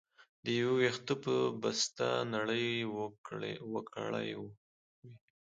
د يو وېښته په بسته نړۍ وکړى وى.